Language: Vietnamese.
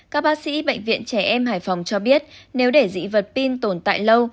các bác sĩ bệnh viện trẻ em hải phòng cho biết nếu để dị vật pin tồn tại lâu